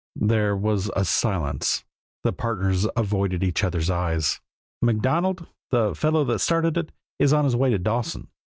There was a silence; the partners avoided each other's eyes. "MacDonald, the fellow that started it, is on his way to Dawson.